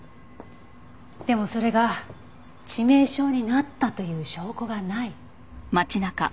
でもそれが致命傷になったという証拠がない。